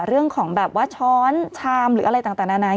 เรื่องของแบบว่าช้อนชามหรืออะไรต่างนานา